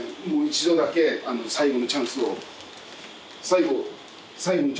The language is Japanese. もう一度だけ最後のチャンスを。